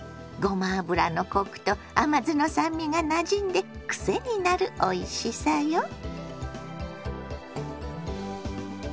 ごま油のコクと甘酢の酸味がなじんでくせになるおいしさよ。